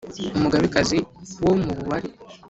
Umugabekazi wo mu Mubari.